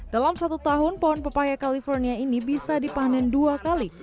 dalam satu tahun pohon pepaya california ini bisa dipanen dua kali